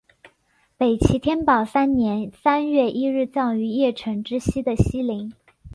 北齐天保三年三月一日葬于邺城之西的西陵。